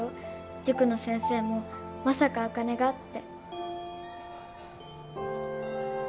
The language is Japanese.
塾の先生もまさか茜がって。